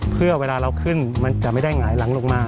เพื่อเวลาเราขึ้นมันจะไม่ได้หงายหลังลงมา